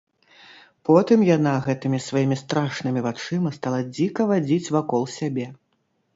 Потым яна гэтымі сваімі страшнымі вачыма стала дзіка вадзіць вакол сябе.